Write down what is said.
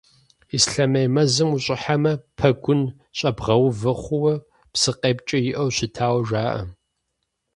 Ислъэмей мэзым ущӀыхьэмэ, пэгун щӀэбгъэувэ хъууэ псыкъепкӀэ иӀэу щытауэ жаӀэ.